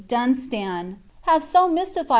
Uunstan, have so mystifie.